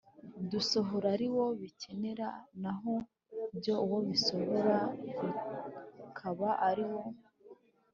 dusohora ari wo bikenera, na ho byo uwo bisohora tukaba ari wo